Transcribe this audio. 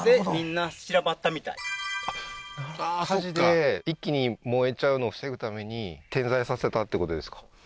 なるほどで火事で一気に燃えちゃうのを防ぐために点在させたってことですか？